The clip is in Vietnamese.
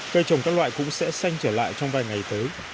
cây trồng các loại cũng sẽ xanh trở lại trong vài ngày tới